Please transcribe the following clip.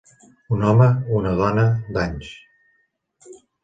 Un home, una dona d'anys.